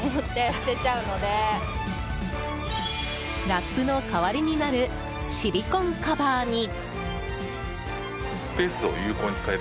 ラップの代わりになるシリコンカバーに。